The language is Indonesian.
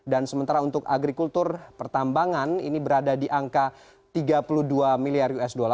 dan sementara untuk agrikultur pertambangan ini berada di angka tiga puluh dua miliar usd